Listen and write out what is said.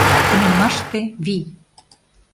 Тунеммаште — вий.